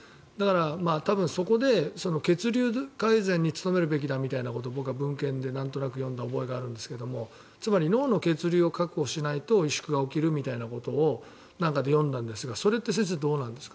そこで血流改善に努めるべきだみたいなことを僕は文献でなんとなく読んだ覚えがあるんですがつまり脳の血流を確保しないと萎縮すると読んだんですが先生どうですか。